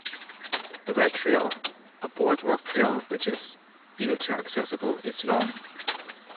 The Red trail, a boardwalk trail which is wheelchair accessible, is long.